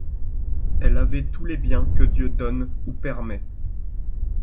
Elle avait tous les biens que Dieu donne ou permet.